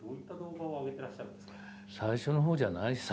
最初の方じゃない？